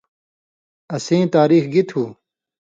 اسیں تاریخ گی تُھو: